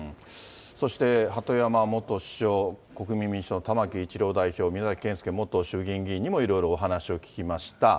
そして鳩山元首相、国民民主党の玉木雄一郎代表、宮崎謙介元衆議院議員にもいろいろお話を聞きました。